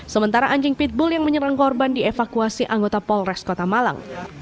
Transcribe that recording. sementara anjing pitbull yang menyerang korban dievakuasi anggota polres kota malang